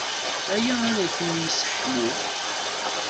Aya ad kem-yesseḥmu.